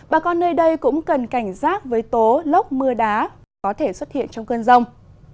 bà con nơi đây cũng cần cảnh giác với tố lốc mưa đá có thể xuất hiện trong cơn rông